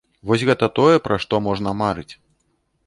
Вось гэта тое, пра што можна марыць.